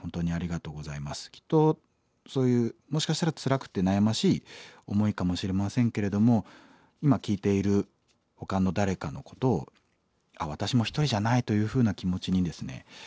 きっとそういうもしかしたらつらくて悩ましい思いかもしれませんけれども今聴いているほかの誰かのことを私も一人じゃないというふうな気持ちにですね